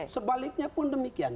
sebaliknya pun demikian